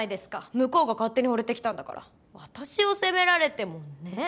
向こうが勝手にホレてきたんだから私を責められてもねえ